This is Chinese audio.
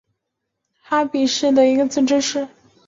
海比市是瑞典中东部乌普萨拉省的一个自治市。